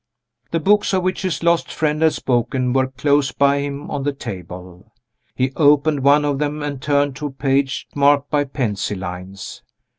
The books of which his lost friend had spoken were close by him on the table. He opened one of them, and turned to a page marked by pencil lines.